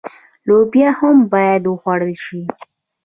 لوبیا هم باید وخوړل شي.